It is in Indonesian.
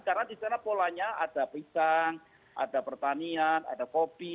karena di sana polanya ada pisang ada pertanian ada kopi